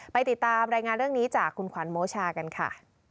ไปติดตามรายงานเรื่องนี้จากคุณขวัญโมชากันค่ะ